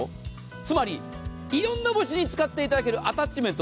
つまりいろんな場所に使っていただけるアタッチメント